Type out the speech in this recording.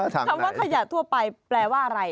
คำว่าขยะทั่วไปแปลว่าอะไร